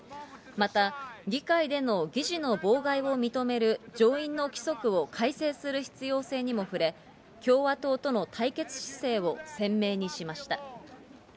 また議会での議事の妨害を認める上院の規則を改正する必要性にも触れ、共和党との対決姿勢を鮮明にしました。